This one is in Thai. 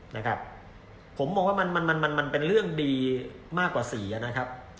นะครับผมมองว่ามันมันมันเป็นเรื่องดีมากกว่าสีนะครับ